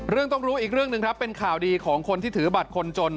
ต้องรู้อีกเรื่องหนึ่งครับเป็นข่าวดีของคนที่ถือบัตรคนจน